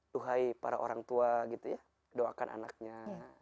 tuhai para orang tua gitu ya doakan anaknya